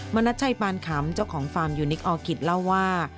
มณัชชัยปานขำเจ้าของฟาร์มยูนิคออร์กิจเล่าว่า